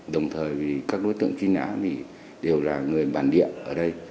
đồng thời các đối tượng phi nã đều là người bản địa ở đây